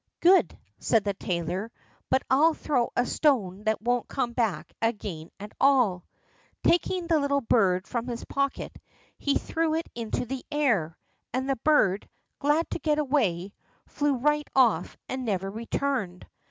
"Good!" said the tailor; "but I'll throw a stone that won't come back again at all." Taking the little bird from his pocket, he threw it into the air, and the bird, glad to get away, flew right off and never returned.